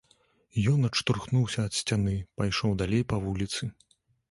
Ён адштурхнуўся ад сцяны, пайшоў далей па вуліцы.